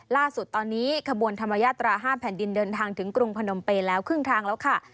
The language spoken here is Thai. ล่าสุดตอนนี้ขบวนธรรมยาตรา๕แผ่นดินเดินทางถึงกรุงพนมเปญแล้วครึ่งทางแล้วค่ะ